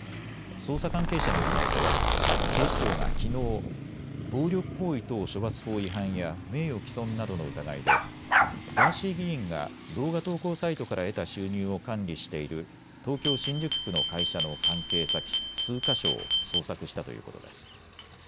捜査関係者によりますと警視庁がきのう、暴力行為等処罰法違反や名誉毀損などの疑いでガーシー議員が動画投稿サイトから得た収入を管理している東京新宿区の会社の関係先数か所を捜索したということです。